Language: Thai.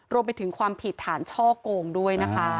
รวมไปถึงความผิดฐานช่อโกงด้วยนะคะ